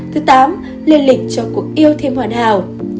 thứ tám liên lịch cho cuộc yêu thêm hoàn hảo